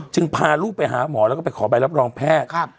พาลูกไปหาหมอแล้วก็ไปขอใบรับรองแพทย์